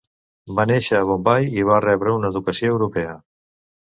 Va néixer a Bombai i va rebre una educació europea.